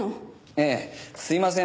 ええすいません